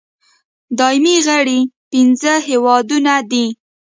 دایمي غړي پنځه هېوادونه دي.